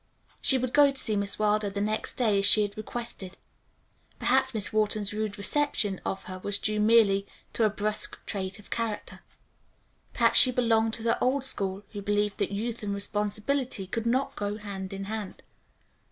She would go to see Miss Wilder the next day as she had requested. Perhaps Miss Wharton's rude reception of her was due merely to a brusque trait of character. Perhaps she belonged to the old school who believed that youth and responsibility could not go hand in hand.